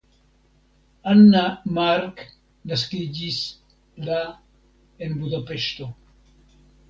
Anna Mark naskiĝis la en Budapeŝto.